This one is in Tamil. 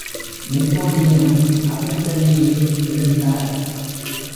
நெப்போலியனும் அவருடனேயே எழுந்தார்.